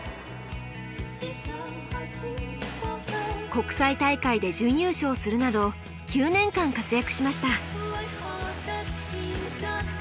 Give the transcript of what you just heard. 国際大会で準優勝するなど９年間活躍しました。